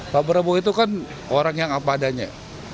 pak prabowo itu kan orang yang apa adanya